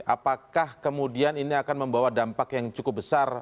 apakah kemudian ini akan membawa dampak yang cukup besar